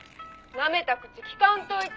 「なめた口利かんといて！」